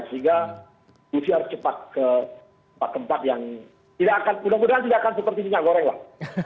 sehingga fungsi harus cepat ke tempat tempat yang tidak akan mudah mudahan tidak akan seperti minyak goreng lah